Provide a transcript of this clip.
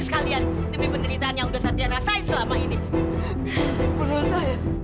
saya juga ingin merasakan penderitaan satu yang selamanya